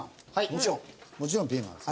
もちろんピーマンですね。